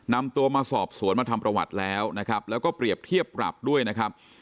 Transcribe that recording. นำตัวมาสอบสวนมาทำประวัติแล้วนะครับแล้วก็เปรียบเทียบปรับด้วยนะครับ